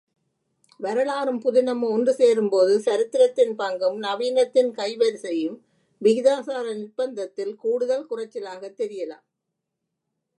வரலாறும் புதினமும் ஒன்று சேரும்போது, சரித்திரத்தின் பங்கும், நவீனத்தின் கைவரிசையும் விகிதாசார நிர்ப்பந்தந்தில் கூடுதல் குறைச்சலாகத் தெரியலாம்.